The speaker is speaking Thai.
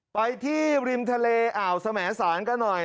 ไปที่ริมทะเลอ่าวสมสารกันหน่อย